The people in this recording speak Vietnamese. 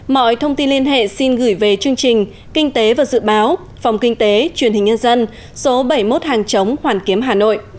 mọi thông tin liên hệ xin gửi về chương trình kinh tế và dự báo phòng kinh tế truyền hình nhân dân số bảy mươi một hàng chống hoàn kiếm hà nội